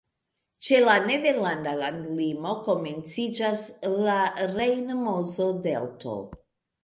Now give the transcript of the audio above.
Ĉe la nederlanda landlimo komenciĝas la Rejn-Mozo-Delto.